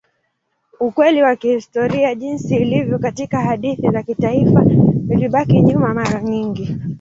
Ukweli wa kihistoria jinsi ilivyo katika hadithi za kitaifa ilibaki nyuma mara nyingi.